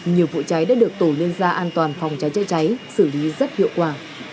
nhiều vụ cháy đã được tổn nên ra an toàn phòng cháy cháy cháy xử lý rất hiệu quả